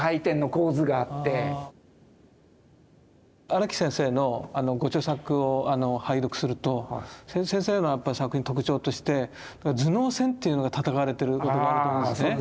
荒木先生のご著作を拝読すると先生の作品の特徴として頭脳戦っていうのが戦われてることがあると思うんですね。